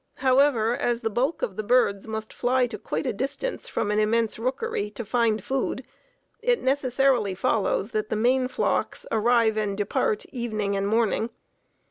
However, as the bulk of the birds must fly to quite a distance from an immense rookery to find food, it necessarily follows that the main flocks arrive and depart evening and morning.